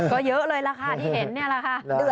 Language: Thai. ก็เยอะเลยล่ะค่ะที่เห็นนี่แหละค่ะ